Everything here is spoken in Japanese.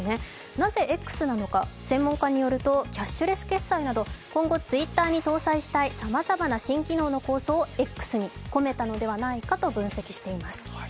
なぜＸなのか、専門家によるとキャッシュレス決済など今後、Ｔｗｉｔｔｅｒに搭載したいさまざまな新機能の構想をＸに込めたのではないかということです。